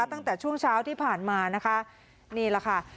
ตั้งแต่ช่วงเช้าที่ผ่านมานะคะนี่แหละค่ะ